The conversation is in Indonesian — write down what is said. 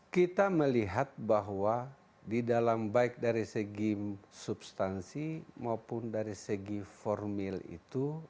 kita melihat bahwa di dalam baik dari segi substansi maupun dari segi formil itu